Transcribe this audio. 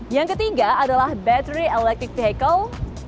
yang ketiga adalah battery electric vehicle